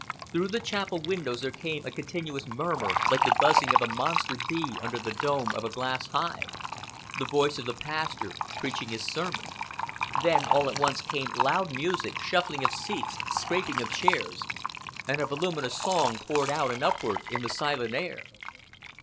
Through the chapel windows there came a continuous murmur, like the buzzing of a monster bee under the dome of a glass hive the voice of the pastor preaching his sermon. Then all at once came loud music, shuffling of seats, scraping of chairs; and a voluminous song poured out and upward in the silent air.